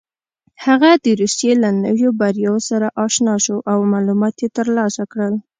هغه د روسيې له نویو بریاوو سره اشنا شو او معلومات یې ترلاسه کړل.